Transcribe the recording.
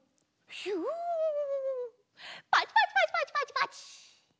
ひゅパチパチパチパチパチパチ。